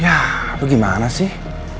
yah lu gimana sih